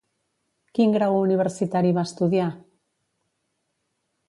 Quin grau universitari va estudiar?